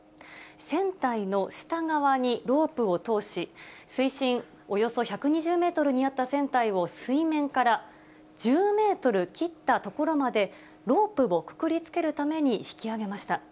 船体の下側にロープを通し、水深およそ１２０メートルにあった船体を、水面から１０メートル切った所までロープをくくりつけるために引き揚げました。